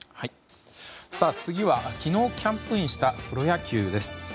次は昨日キャンプインしたプロ野球です。